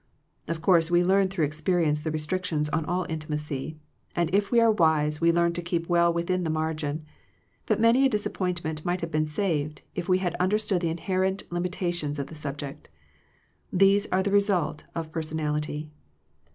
Of course we learn through experience the restrictions on all intimacy, and if we are wise we learn to keep weU within the margin; but many a disap pointment might have been saved, if we had understood the inherent limitations of the subject These are the result of per sonality.